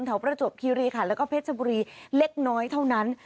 ประจวบคีรีขันแล้วก็เพชรบุรีเล็กน้อยเท่านั้น